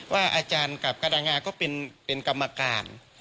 อาจารย์กับกระดังงาก็เป็นกรรมการ